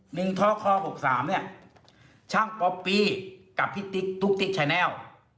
ท้อคอหกสามเนี่ยช่างป๊อปปี้กับพี่ติ๊กตุ๊กติ๊กชายแลล์